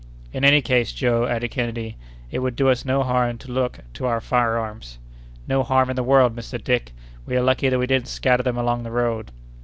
"In any case, Joe," added Kennedy, "it would do us no harm to look to our fire arms." "No harm in the world, Mr. Dick! We are lucky that we didn't scatter them along the road."